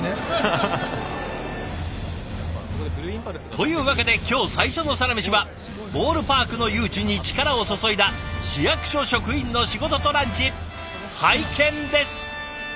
というわけで今日最初のサラメシはボールパークの誘致に力を注いだ市役所職員の仕事とランチ拝見です！